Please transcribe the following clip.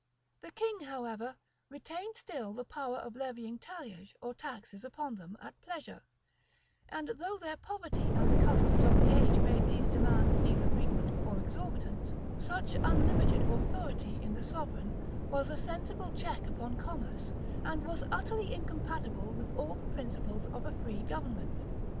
[] The king, however, retained still the power of levying talliage or taxes upon them at pleasure;[] and though their poverty and the customs of the age made these demands neither frequent or exorbitant, such unlimited authority in the sovereign was a sensible check upon commerce, and was utterly incompatible with all the principles of a free government.